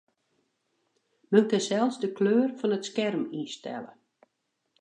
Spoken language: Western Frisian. Men kin sels de kleur fan it skerm ynstelle.